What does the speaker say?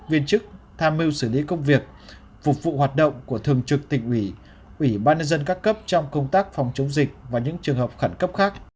viên chức tham mưu xử lý công việc phục vụ hoạt động của thường trực tỉnh ủy ủy ban nhân dân các cấp trong công tác phòng chống dịch và những trường hợp khẩn cấp khác